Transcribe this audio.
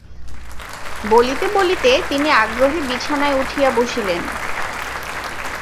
বলিতে বলিতে তিনি আগ্রহে বিছানায় উঠিয়া বসিলেন।